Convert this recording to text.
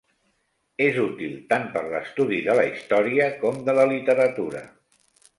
És útil, tant per l'estudi de la història com de la literatura.